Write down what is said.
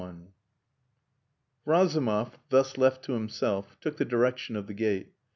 III Razumov, thus left to himself, took the direction of the gate.